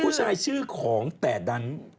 ผู้ชายชื่อของแต่ดัน